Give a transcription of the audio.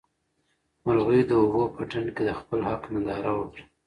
مرغۍ د اوبو په ډنډ کې د خپل حق ننداره وکړه.